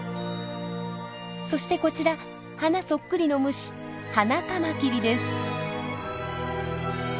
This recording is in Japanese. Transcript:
そしてこちら花そっくりの虫ハナカマキリです。